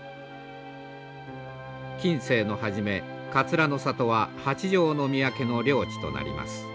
近世の初め桂の里は八条宮家の領地となります。